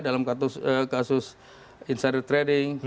dalam kasus insider trading